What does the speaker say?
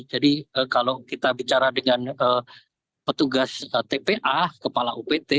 jadi kalau kita bicara dengan petugas tpa kepala upt